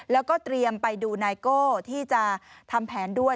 แล้วก็เตรียมไปดูไนโก้ที่จะทำแผนด้วย